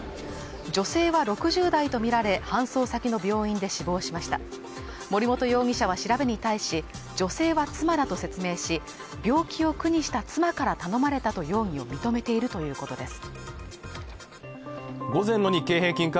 女性は６０代とみられ搬送先の病院で死亡しました森本容疑者は調べに対し女性は妻だと説明し病気を苦にした妻から頼まれたと容疑を認めているということです